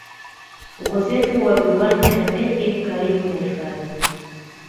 ukosefu wa viwanja vya ndege karibu na hifadhi